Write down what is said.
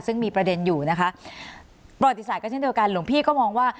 ซึ่งมีประเด็นอยู่นะคะประวัติศาสตร์ก็เช่นเดียวกันหลวงพี่ก็มองว่า